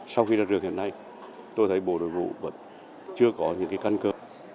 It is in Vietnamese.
sau khi ra trường hiện nay tôi thấy bộ đội vụ vẫn chưa có những căn cơ